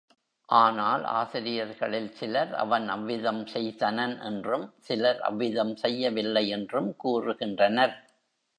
ஆனால், ஆசிரியர்களில் சிலர் அவன் அவ்விதம் செய்தனன் என்றும், சிலர் அவ்விதம் செய்யவில்லை என்றும் கூறுகின்றனர்.